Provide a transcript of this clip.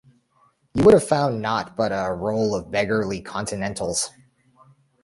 You would have found naught but a roll of beggarly continentals.